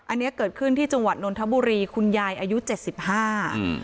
อันนี้เกิดขึ้นที่จังหวัดนนทบุรีคุณยายอายุเจ็ดสิบห้าอืม